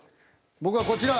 僕はこちら。